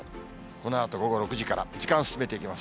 このあと午後６時から、時間進めていきます。